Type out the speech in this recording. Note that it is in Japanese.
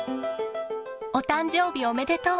お誕生日おめでとう。